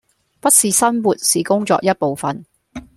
不是生活是工作一部分